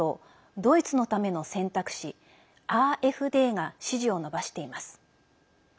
ドイツのための選択肢＝ＡｆＤが支持を伸ばしています。